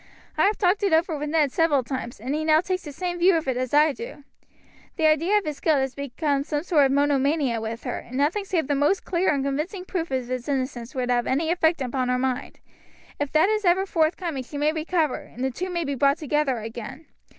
I have talked it over with Ned several times, and he now takes the same view of it as I do. The idea of his guilt has become a sort of monomania with her, and nothing save the most clear and convincing proof of his innocence would have any effect upon her mind. If that is ever forthcoming she may recover, and the two may be brought together again.